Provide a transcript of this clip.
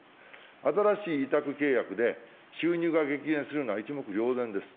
新しい委託契約で、収入が激減するのは一目瞭然です。